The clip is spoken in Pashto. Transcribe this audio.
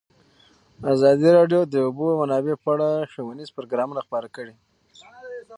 ازادي راډیو د د اوبو منابع په اړه ښوونیز پروګرامونه خپاره کړي.